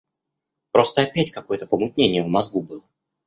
Просто опять какое-то помутнение в мозгу было.